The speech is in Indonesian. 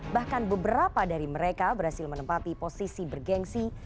bahkan beberapa dari mereka berhasil menempati posisi bergensi